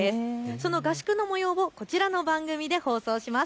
その合宿のもようをこちらの番組で放送します。